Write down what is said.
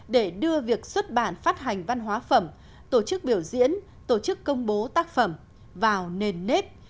để đưa việc xuất bản phát hành văn hóa phẩm tổ chức biểu diễn tổ chức công bố tác phẩm vào nền nếp